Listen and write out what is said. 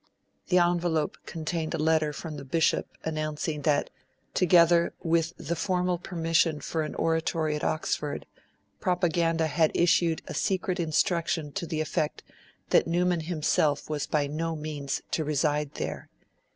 The envelope contained a letter from the Bishop announcing that, together with the formal permission for an Oratory at Oxford, Propaganda had issued a secret instruction to the effect that Newman himself was by no means to reside there.